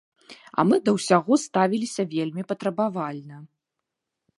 А мы да ўсяго ставіліся вельмі патрабавальна!